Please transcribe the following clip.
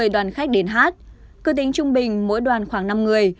năm mươi đoàn khách đến hát cơ tính trung bình mỗi đoàn khoảng năm người